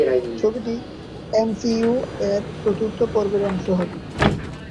ছবিটি এমসিইউ-এর চতুর্থ পর্বের অংশ হবে।